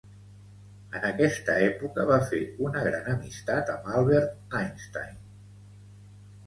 En aquesta època va fer una gran amistat amb Albert Einstein.